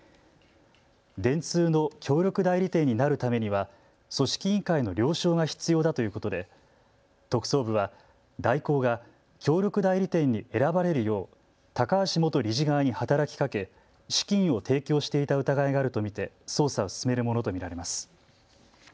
電通の協力代理店になるためには組織委員会の了承が必要だということで特捜部は大広が協力代理店に選ばれるよう高橋元理事側に働きかけ資金を提供していた疑いがあると見て捜査を進めるものと見られます。